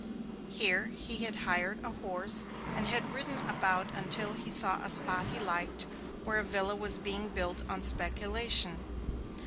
Here he had hired a horse, and had ridden about until he saw a spot he liked, where a villa was being built on speculation.